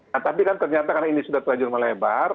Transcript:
nah tapi kan ternyata karena ini sudah terlanjur melebar